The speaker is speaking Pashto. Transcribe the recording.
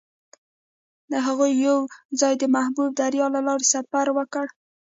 هغوی یوځای د محبوب دریا له لارې سفر پیل کړ.